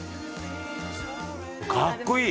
かっこいい！